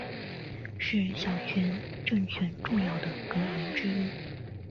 是小泉政权重要的阁员之一。